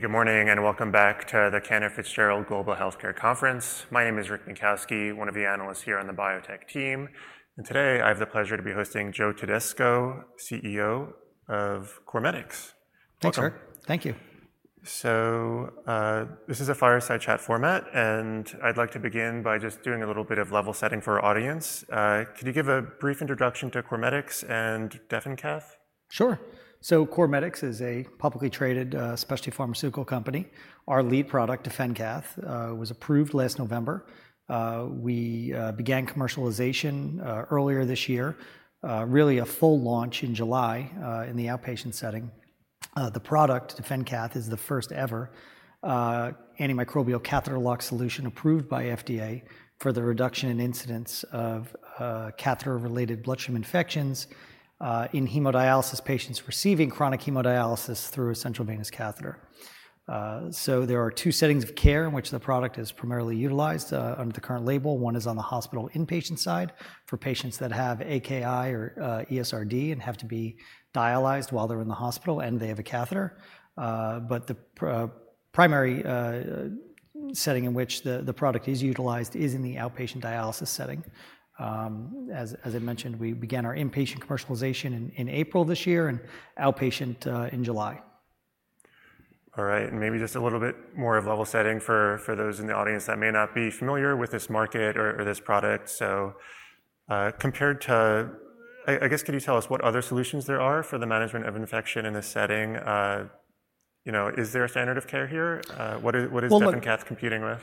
Good morning, and welcome back to the Cantor Fitzgerald Global Healthcare Conference. My name is Rick Jankowski, one of the analysts here on the biotech team, and today I have the pleasure to be hosting Joe Todisco, CEO of CorMedix. Welcome. Thanks, Rick. Thank you. So, this is a fireside chat format, and I'd like to begin by just doing a little bit of level setting for our audience. Could you give a brief introduction to CorMedix and DefenCath? Sure. So CorMedix is a publicly traded, specialty pharmaceutical company. Our lead product, DefenCath, was approved last November. We began commercialization earlier this year, really a full launch in July, in the outpatient setting. The product, DefenCath, is the first ever antimicrobial catheter lock solution approved by FDA for the reduction in incidence of catheter-related bloodstream infections in hemodialysis patients receiving chronic hemodialysis through a central venous catheter. So there are two settings of care in which the product is primarily utilized under the current label. One is on the hospital inpatient side, for patients that have AKI or ESRD, and have to be dialyzed while they're in the hospital, and they have a catheter. But the primary setting in which the product is utilized is in the outpatient dialysis setting. As I mentioned, we began our inpatient commercialization in April this year, and outpatient in July. All right, and maybe just a little bit more of level setting for those in the audience that may not be familiar with this market or this product. So, compared to... I guess, could you tell us what other solutions there are for the management of infection in this setting? You know, is there a standard of care here? What is- Well, look- What is DefenCath competing with?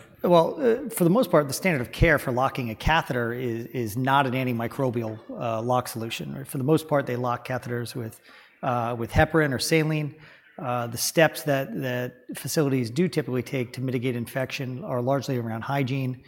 For the most part, the standard of care for locking a catheter is not an antimicrobial lock solution. Right, for the most part, they lock catheters with heparin or saline. The steps that facilities do typically take to mitigate infection are largely around hygiene.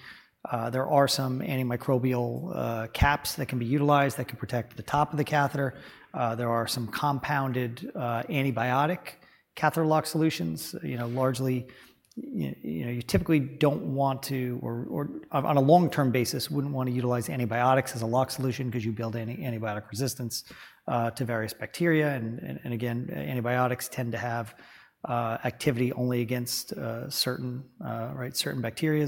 There are some antimicrobial caps that can be utilized that can protect the top of the catheter. There are some compounded antibiotic catheter lock solutions. You know, largely, you know, you typically don't want to, or on a long-term basis, wouldn't want to utilize antibiotics as a lock solution, because you build antibiotic resistance to various bacteria. And again, antibiotics tend to have activity only against certain, right, certain bacteria.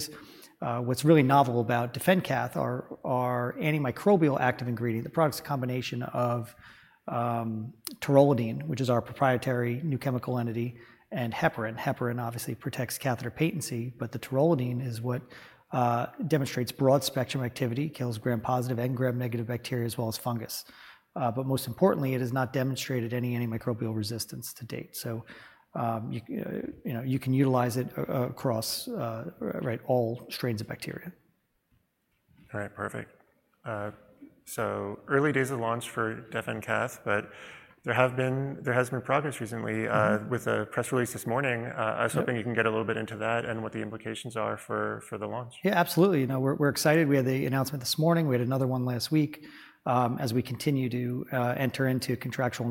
What's really novel about DefenCath, our antimicrobial active ingredient, the product's a combination of taurolidine, which is our proprietary new chemical entity, and heparin. Heparin obviously protects catheter patency, but the taurolidine is what demonstrates broad-spectrum activity, kills Gram-positive and Gram-negative bacteria, as well as fungus, but most importantly, it has not demonstrated any antimicrobial resistance to date, so you know, you can utilize it across, right, all strains of bacteria. All right, perfect. So early days of launch for DefenCath, but there has been progress recently.... with a press release this morning. Yeah. I was hoping you can get a little bit into that, and what the implications are for the launch. Yeah, absolutely. You know, we're excited. We had the announcement this morning, we had another one last week, as we continue to enter into contractual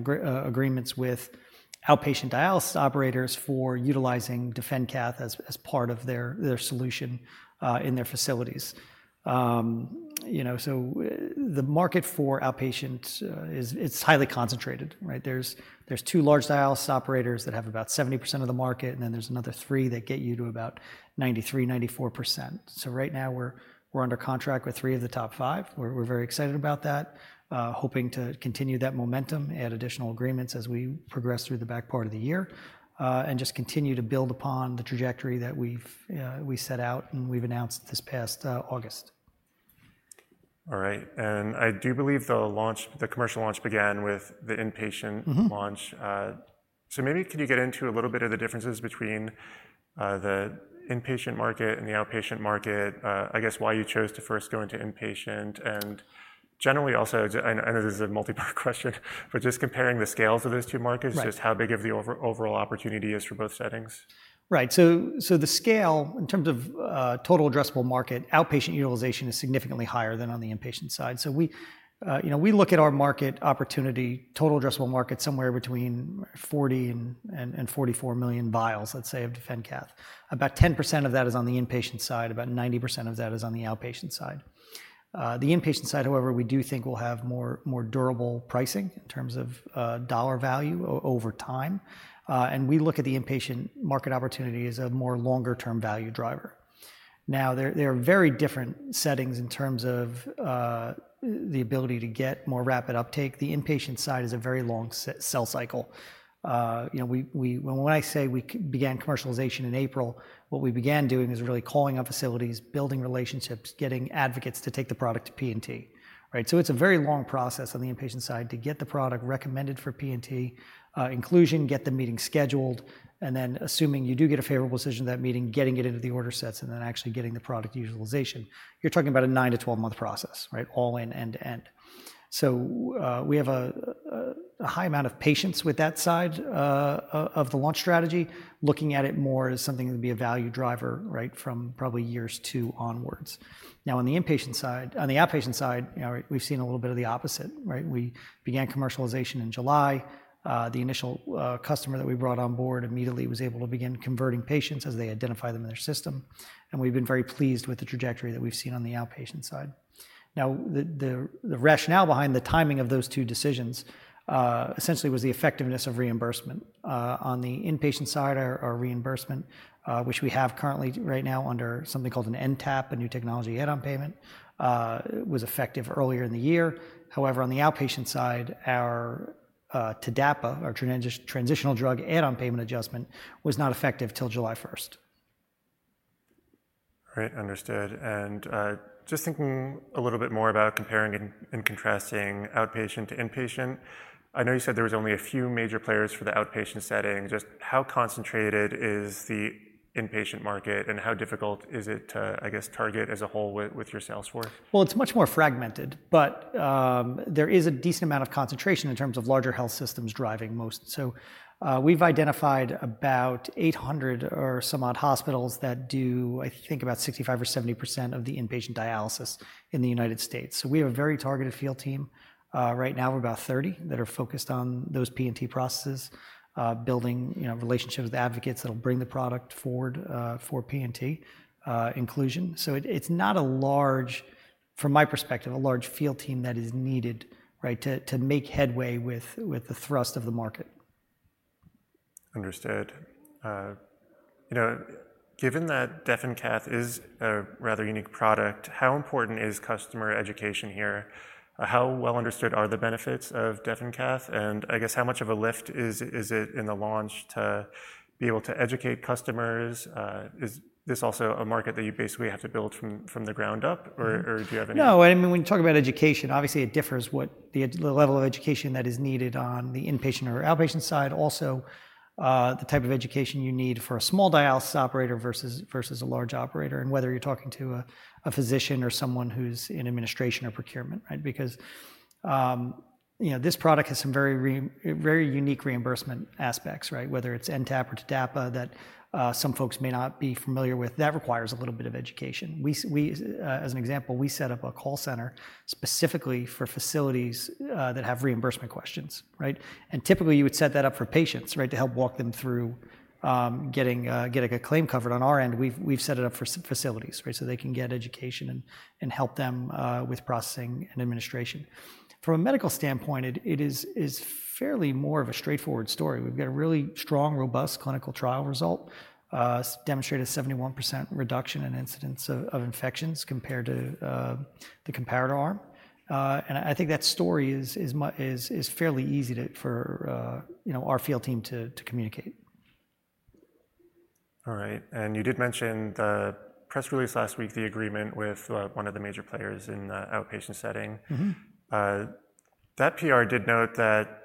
agreements with outpatient dialysis operators for utilizing DefenCath as part of their solution in their facilities. You know, so the market for outpatient is, it's highly concentrated, right? There's two large dialysis operators that have about 70% of the market, and then there's another three that get you to about 93%-94%. So right now we're under contract with three of the top five. We're very excited about that, hoping to continue that momentum, add additional agreements as we progress through the back part of the year, and just continue to build upon the trajectory that we've set out and we've announced this past August. All right, and I do believe the launch, the commercial launch began with the inpatient- Mm-hmm... launch. So maybe could you get into a little bit of the differences between the inpatient market and the outpatient market? I guess why you chose to first go into inpatient, and generally also, I know this is a multi-part question, but just comparing the scales of those two markets- Right... just how big of the overall opportunity is for both settings? Right. So the scale, in terms of total addressable market, outpatient utilization is significantly higher than on the inpatient side. So we, you know, we look at our market opportunity, total addressable market, somewhere between 40 and 44 million vials, let's say, of DefenCath. About 10% of that is on the inpatient side, about 90% of that is on the outpatient side. The inpatient side, however, we do think will have more durable pricing, in terms of dollar value over time. And we look at the inpatient market opportunity as a more longer-term value driver. Now, they are very different settings in terms of the ability to get more rapid uptake. The inpatient side is a very long sell cycle. You know, when I say we began commercialization in April, what we began doing is really calling up facilities, building relationships, getting advocates to take the product to P&T, right? So it's a very long process on the inpatient side to get the product recommended for P&T inclusion, get the meeting scheduled, and then, assuming you do get a favorable decision at that meeting, getting it into the order sets, and then actually getting the product utilization. You're talking about a nine-to-12-month process, right? All in, end to end. So, we have a high amount of patience with that side of the launch strategy, looking at it more as something that would be a value driver, right, from probably years two onwards. Now, on the inpatient side, on the outpatient side, you know, we've seen a little bit of the opposite, right? We began commercialization in July. The initial customer that we brought on board immediately was able to begin converting patients as they identified them in their system, and we've been very pleased with the trajectory that we've seen on the outpatient side. Now, the rationale behind the timing of those two decisions essentially was the effectiveness of reimbursement. On the inpatient side, our reimbursement, which we have currently, right now, under something called an NTAP, a New Technology Add-on Payment, was effective earlier in the year. However, on the outpatient side, our TDAPA, or Transitional Drug Add-on Payment Adjustment, was not effective till July 1st. Right, understood. And just thinking a little bit more about comparing and contrasting outpatient to inpatient, I know you said there was only a few major players for the outpatient setting. Just how concentrated is the inpatient market, and how difficult is it to, I guess, target as a whole with your sales force? It's much more fragmented, but there is a decent amount of concentration in terms of larger health systems driving most. We've identified about 800 or some odd hospitals that do, I think, about 65% or 70% of the inpatient dialysis in the United States. We have a very targeted field team. Right now we're about 30 that are focused on those P&T processes, building, you know, relationships with advocates that'll bring the product forward, for P&T inclusion. It's not a large, from my perspective, a large field team that is needed, right, to make headway with the thrust of the market. Understood. You know, given that DefenCath is a rather unique product, how important is customer education here? How well understood are the benefits of DefenCath, and I guess, how much of a lift is it in the launch to be able to educate customers? Is this also a market that you basically have to build from the ground up or do you have any- No, I mean, when you talk about education, obviously it differs what the level of education that is needed on the inpatient or outpatient side. Also, the type of education you need for a small dialysis operator versus a large operator, and whether you're talking to a physician or someone who's in administration or procurement, right? Because, you know, this product has some very unique reimbursement aspects, right? Whether it's NTAP or TDAPA, that some folks may not be familiar with, that requires a little bit of education. As an example, we set up a call center specifically for facilities that have reimbursement questions, right? And typically, you would set that up for patients, right, to help walk them through getting a claim covered. On our end, we've set it up for facilities, right? So they can get education and help them with processing and administration. From a medical standpoint, it is fairly more of a straightforward story. We've got a really strong, robust clinical trial result demonstrated a 71% reduction in incidents of infections compared to the comparator arm. And I think that story is fairly easy for you know, our field team to communicate. All right. And you did mention the press release last week, the agreement with one of the major players in the outpatient setting. Mm-hmm. That PR did note that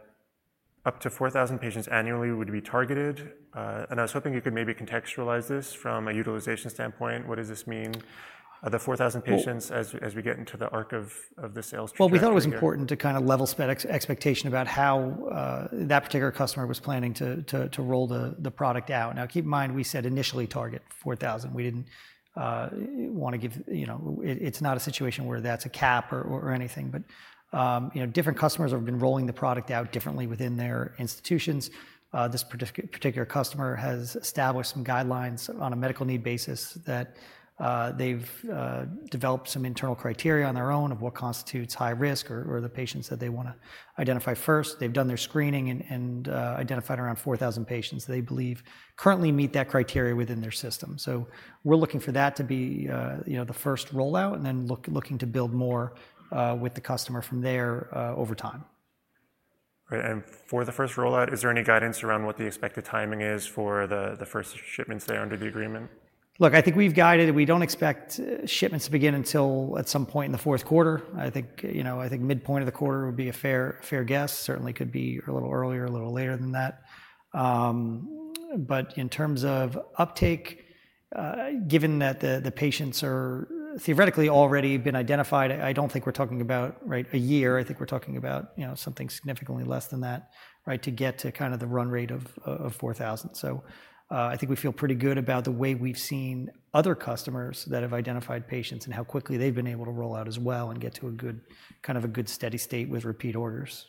up to four thousand patients annually would be targeted, and I was hoping you could maybe contextualize this from a utilization standpoint. What does this mean, the four thousand patients- Well- as we get into the arc of the sales trajectory here? We thought it was important to kinda level expectations about how that particular customer was planning to roll the product out. Now, keep in mind, we said initially target four thousand. We didn't wanna give, you know. It's not a situation where that's a cap or anything, but you know, different customers have been rolling the product out differently within their institutions. This particular customer has established some guidelines on a medical need basis that they've developed some internal criteria on their own of what constitutes high risk or the patients that they wanna identify first. They've done their screening and identified around four thousand patients they believe currently meet that criteria within their system. So we're looking for that to be, you know, the first rollout, and then looking to build more, with the customer from there, over time. Great, and for the first rollout, is there any guidance around what the expected timing is for the first shipments there under the agreement? Look, I think we've guided, we don't expect shipments to begin until at some point in the Q4. I think, you know, I think midpoint of the quarter would be a fair guess. Certainly could be a little earlier, a little later than that. But in terms of uptake, given that the patients are theoretically already been identified, I don't think we're talking about, right, a year. I think we're talking about, you know, something significantly less than that, right, to get to kind of the run rate of four thousand. So, I think we feel pretty good about the way we've seen other customers that have identified patients, and how quickly they've been able to roll out as well and get to a good steady state with repeat orders.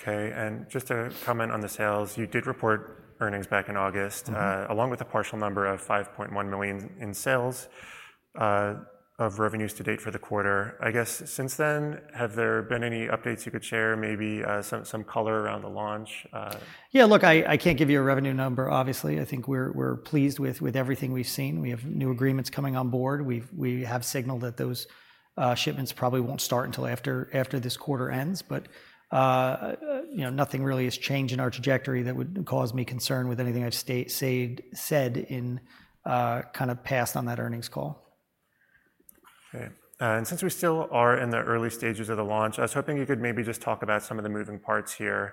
Okay, and just to comment on the sales, you did report earnings back in August- Mm-hmm. Along with a partial number of $5.1 million in sales of revenues to date for the quarter. I guess since then, have there been any updates you could share, maybe some color around the launch? Yeah, look, I can't give you a revenue number, obviously. I think we're pleased with everything we've seen. We have new agreements coming on board. We've signaled that those shipments probably won't start until after this quarter ends. But you know, nothing really has changed in our trajectory that would cause me concern with anything I've said in kind of past on that earnings call. Okay, and since we still are in the early stages of the launch, I was hoping you could maybe just talk about some of the moving parts here.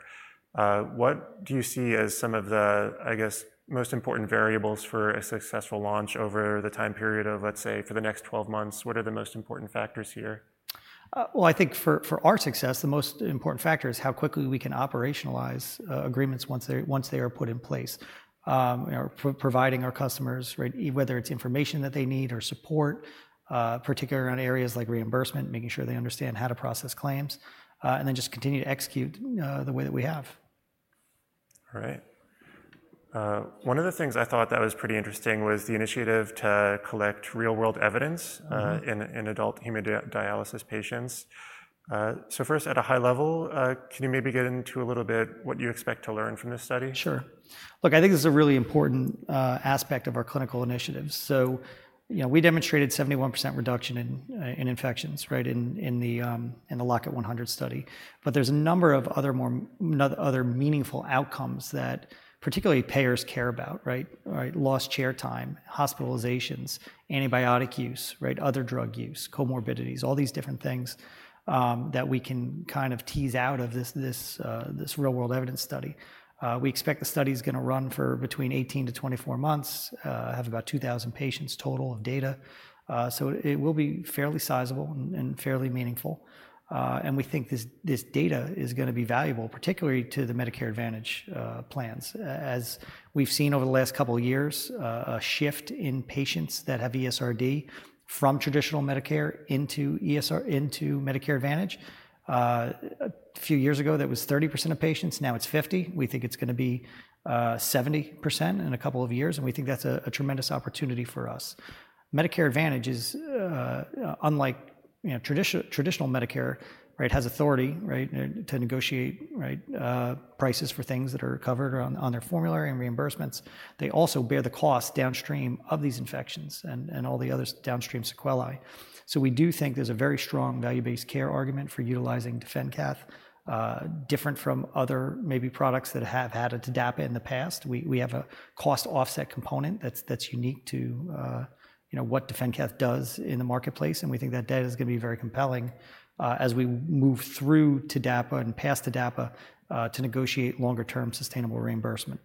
What do you see as some of the, I guess, most important variables for a successful launch over the time period of, let's say, for the next twelve months? What are the most important factors here? I think for our success, the most important factor is how quickly we can operationalize agreements once they're put in place. You know, providing our customers, right, whether it's information that they need or support, particularly around areas like reimbursement, making sure they understand how to process claims, and then just continue to execute the way that we have. All right. One of the things I thought that was pretty interesting was the initiative to collect real world evidence- Mm-hmm... in adult hemodialysis patients, so first, at a high level, can you maybe get into a little bit what you expect to learn from this study? Sure. Look, I think this is a really important aspect of our clinical initiatives. So, you know, we demonstrated 71% reduction in infections, right, in the LOCK-IT-100 study. But there's a number of other meaningful outcomes that particularly payers care about, right? Right, lost chair time, hospitalizations, antibiotic use, right, other drug use, comorbidities, all these different things that we can kind of tease out of this real world evidence study. We expect the study is gonna run for between 18-24 months, have about 2,000 patients' total of data. So it will be fairly sizable and fairly meaningful. And we think this data is gonna be valuable, particularly to the Medicare Advantage plans. As we've seen over the last couple of years, a shift in patients that have ESRD from traditional Medicare into Medicare Advantage. A few years ago, that was 30% of patients; now it's 50%. We think it's gonna be 70% in a couple of years, and we think that's a tremendous opportunity for us. Medicare Advantage is unlike, you know, traditional Medicare right has authority right to negotiate right prices for things that are covered on their formulary and reimbursements. They also bear the cost downstream of these infections and all the other downstream sequelae. So we do think there's a very strong value-based care argument for utilizing DefenCath different from other maybe products that have had a TDAPA in the past. We have a cost offset component that's unique to, you know, what DefenCath does in the marketplace, and we think that data is gonna be very compelling, as we move through TDAPA and past TDAPA, to negotiate longer-term sustainable reimbursement.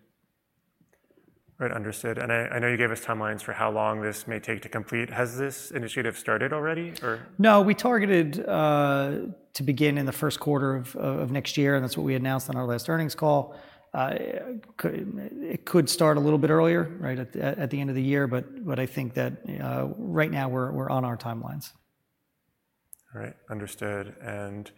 Right. Understood. And I know you gave us timelines for how long this may take to complete. Has this initiative started already or- No, we targeted to begin in the Q1 of next year, and that's what we announced on our last earnings call. It could start a little bit earlier, right, at the end of the year, but I think that right now we're on our timelines. All right. Understood, and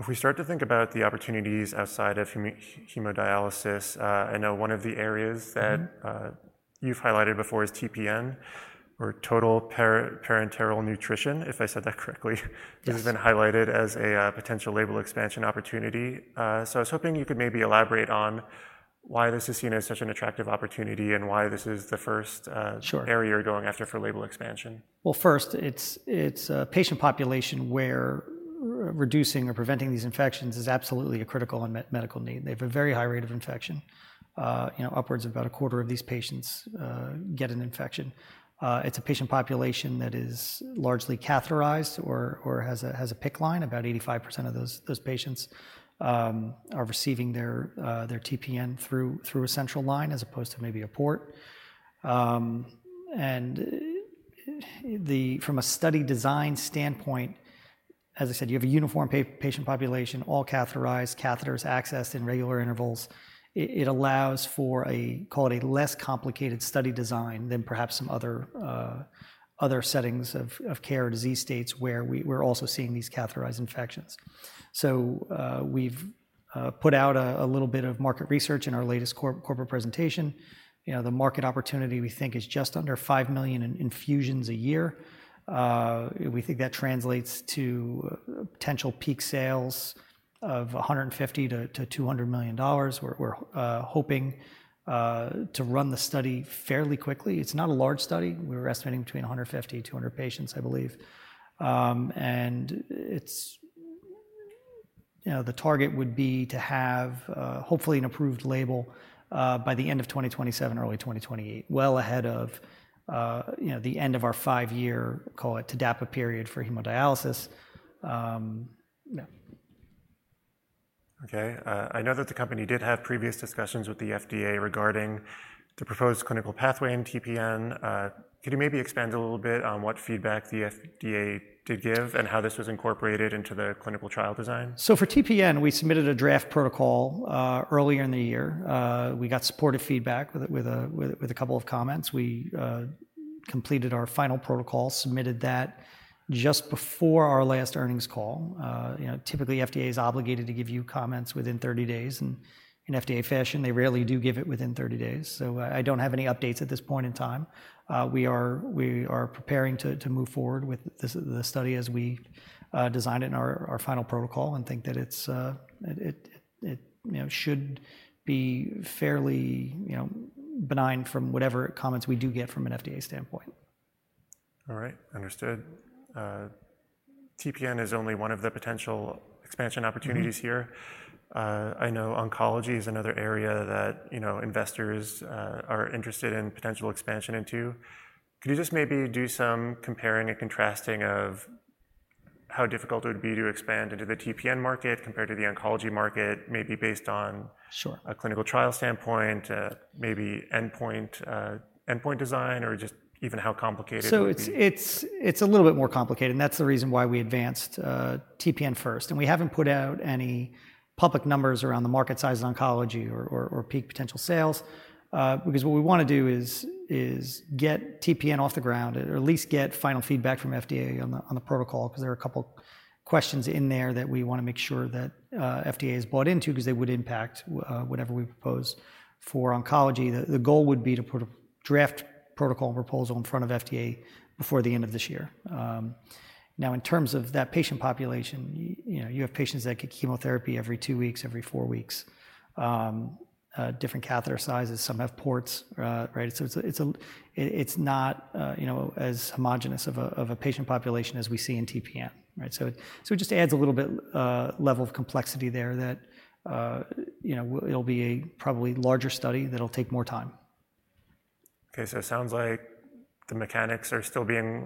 if we start to think about the opportunities outside of hemodialysis, I know one of the areas that- Mm-hmm... you've highlighted before is TPN, or total parenteral nutrition, if I said that correctly? Yes. It has been highlighted as a potential label expansion opportunity. So I was hoping you could maybe elaborate on why this is seen as such an attractive opportunity, and why this is the first, Sure... area you're going after for label expansion. First, it's a patient population where reducing or preventing these infections is absolutely a critical medical need. They have a very high rate of infection. You know, upwards of about a quarter of these patients get an infection. It's a patient population that is largely catheterized or has a PICC line. About 85% of those patients are receiving their TPN through a central line, as opposed to maybe a port. From a study design standpoint, as I said, you have a uniform patient population, all catheterized, catheters accessed in regular intervals. It allows for a, call it a less complicated study design than perhaps some other settings of care or disease states where we're also seeing these catheterized infections. So, we've put out a little bit of market research in our latest corporate presentation. You know, the market opportunity, we think, is just under five million in infusions a year. We think that translates to potential peak sales of $150-$200 million. We're hoping to run the study fairly quickly. It's not a large study. We're estimating between 150 and 200 patients, I believe. And it's, you know, the target would be to have hopefully an approved label by the end of 2027 or early 2028, well ahead of, you know, the end of our five-year, call it, TDAPA period for hemodialysis. Okay, I know that the company did have previous discussions with the FDA regarding the proposed clinical pathway in TPN. Could you maybe expand a little bit on what feedback the FDA did give, and how this was incorporated into the clinical trial design? So for TPN, we submitted a draft protocol earlier in the year. We got supportive feedback with a couple of comments. We completed our final protocol, submitted that just before our last earnings call. You know, typically, FDA is obligated to give you comments within thirty days, and in FDA fashion, they rarely do give it within thirty days. So I don't have any updates at this point in time. We are preparing to move forward with this, the study as we design it in our final protocol and think that it's you know should be fairly you know benign from whatever comments we do get from an FDA standpoint. All right. Understood. TPN is only one of the potential expansion opportunities here. Mm-hmm. I know oncology is another area that, you know, investors are interested in potential expansion into. Could you just maybe do some comparing and contrasting of how difficult it would be to expand into the TPN market compared to the oncology market, maybe based on- Sure... a clinical trial standpoint, maybe endpoint, endpoint design, or just even how complicated it would be? So it's a little bit more complicated, and that's the reason why we advanced TPN first, and we haven't put out any public numbers around the market size in oncology or peak potential sales, because what we wanna do is get TPN off the ground or at least get final feedback from FDA on the protocol, because there are a couple questions in there that we wanna make sure that FDA is bought into, because they would impact whatever we propose for oncology. The goal would be to put a draft protocol proposal in front of FDA before the end of this year. Now, in terms of that patient population, you know, you have patients that get chemotherapy every two weeks, every four weeks, different catheter sizes, some have ports, right? It's not, you know, as homogeneous of a patient population as we see in TPN, right? It just adds a little bit level of complexity there that, you know, it'll be a probably larger study that'll take more time. Okay, so it sounds like the mechanics are still being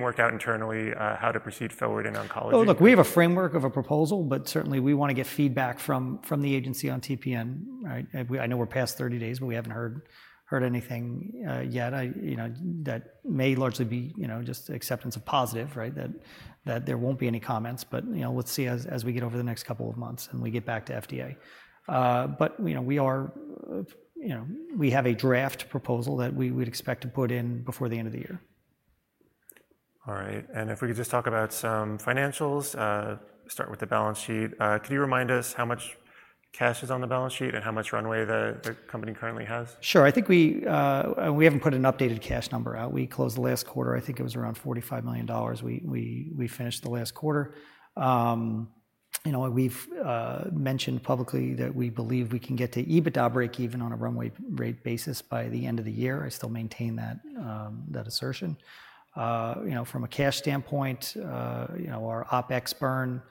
worked out internally, how to proceed forward in oncology? Well, look, we have a framework of a proposal, but certainly we want to get feedback from the agency on TPN, right? I know we're past thirty days, but we haven't heard anything yet. You know, that may largely be just acceptance of positive, right? That there won't be any comments, but you know, let's see as we get over the next couple of months, and we get back to FDA. But you know, we have a draft proposal that we would expect to put in before the end of the year. All right, and if we could just talk about some financials, start with the balance sheet. Could you remind us how much cash is on the balance sheet and how much runway the company currently has? Sure. I think we haven't put an updated cash number out. We closed the last quarter, I think it was around $45 million, we finished the last quarter. You know, we've mentioned publicly that we believe we can get to EBITDA breakeven on a runway rate basis by the end of the year. I still maintain that assertion. You know, from a cash standpoint, you know, our OpEx burn,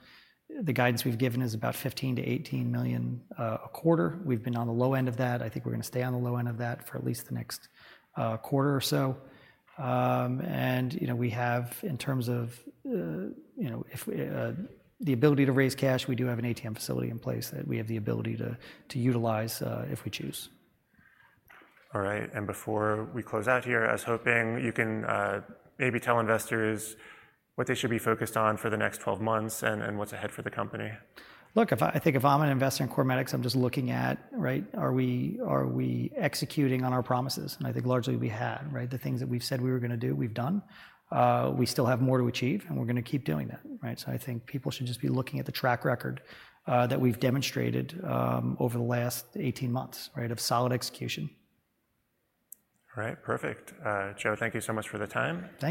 the guidance we've given is about $15-$18 million a quarter. We've been on the low end of that. I think we're gonna stay on the low end of that for at least the next quarter or so. And, you know, we have, in terms of, you know, if we... The ability to raise cash, we do have an ATM facility in place that we have the ability to utilize if we choose. All right, and before we close out here, I was hoping you can maybe tell investors what they should be focused on for the next twelve months, and what's ahead for the company. Look, if I think if I'm an investor in CorMedix, I'm just looking at, right, are we executing on our promises? And I think largely we have, right? The things that we've said we were gonna do, we've done. We still have more to achieve, and we're gonna keep doing that, right? So I think people should just be looking at the track record that we've demonstrated over the last eighteen months, right, of solid execution. All right. Perfect. Joe, thank you so much for the time. Thank you.